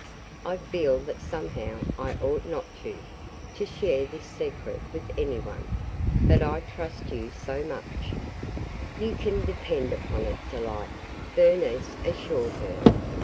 "I feel that somehow I ought not to – to share this secret with any one. But I trust you so much –" "You can depend upon it, Delight," Bernice assured her.